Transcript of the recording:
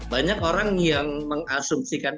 banyak orang yang berpikir